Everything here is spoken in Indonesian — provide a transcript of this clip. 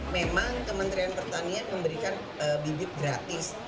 memang kementerian pertanian memberikan bibit gratis